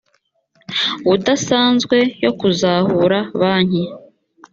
udasanzwe yo kuzahura banki